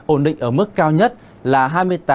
ổn định ở mức cao nhất là hai mươi tám ba mươi một độ